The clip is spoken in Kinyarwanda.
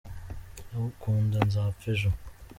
ndagukunda nzapfa ejo